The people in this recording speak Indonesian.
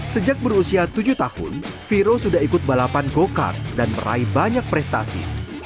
sejak berusia tujuh tahun viro sudah ikut balapan go kart dan meraih banyak prestasi